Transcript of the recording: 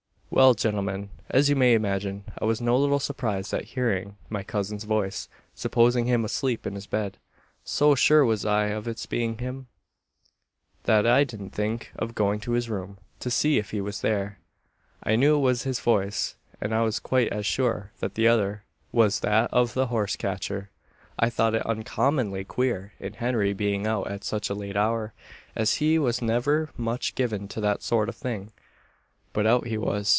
"Well, gentlemen; as you may imagine, I was no little surprised at hearing my cousin's voice supposing him asleep in his bed. So sure was I of its being him, that I didn't think of going to his room, to see if he was there. I knew it was his voice; and I was quite as sure that the other was that of the horse catcher. "I thought it uncommonly queer, in Henry being out at such a late hour: as he was never much given to that sort of thing. But out he was.